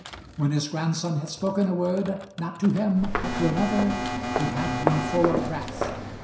When his grandson had spoken a word, not to him but to another, he had been full of wrath.